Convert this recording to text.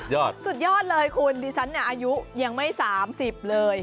เย่สุดยอดเลยคุณดิฉันอายุยังไม่๓๐เลย